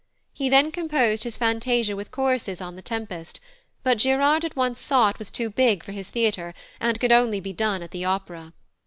He then composed his Fantasia with choruses on The Tempest, but Girard at once saw it was too big for his theatre and could only be done at the Opéra.